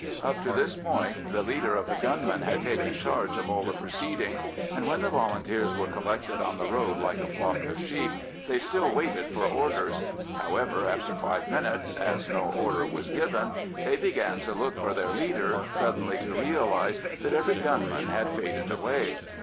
Up to this point the leader of the gunmen had taken charge of all the proceedings, and when the Volunteers were collected on the road like a flock of sheep they still waited for orders. However, after five minutes, as no order was given, they began to look for their leader, suddenly to realise that every gunman had faded away.